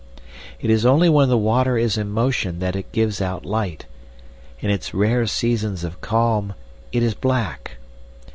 It is only when the water is in motion that it gives out light; in its rare seasons of calm it is black.